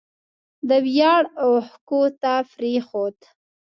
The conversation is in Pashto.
د ویاړ اوښکو ته پرېښود